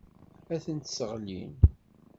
Ad tent-sseɣlin.